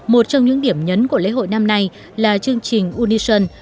một trong những điểm nhấn của lễ hội năm nay là chương trình unison